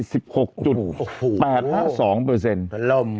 สิบหกจุดโอ้โหบ๋าหรอบพาสองเปอร์เซ็นต์ฝันลม